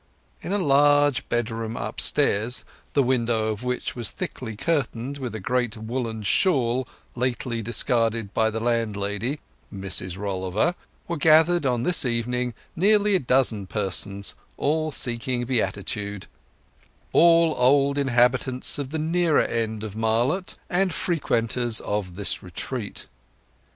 In a large bedroom upstairs, the window of which was thickly curtained with a great woollen shawl lately discarded by the landlady, Mrs Rolliver, were gathered on this evening nearly a dozen persons, all seeking beatitude; all old inhabitants of the nearer end of Marlott, and frequenters of this retreat.